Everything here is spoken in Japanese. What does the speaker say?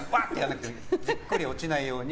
じっくり落ちないように。